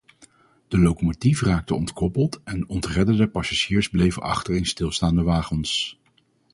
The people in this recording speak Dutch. De locomotief raakte ontkoppeld en ontredderde passagiers bleven achter in stilstaande wagons.